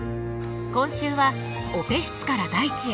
今週はオペ室から大地へ！